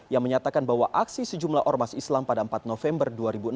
yang menyatakan bahwa aksi sejumlah ormas islam pada empat november dua ribu enam belas